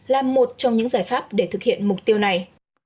là một trong những giải pháp để thực hiện mục tiêu này